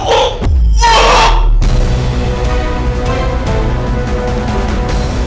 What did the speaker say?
seorang pami itu juga bisa nungguin kita